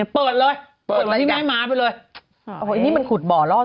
สวัสดีค่ะข้าวใส่ไข่สดใหม่เยอะสวัสดีค่ะ